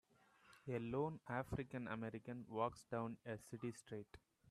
A lone African American walks down a city street.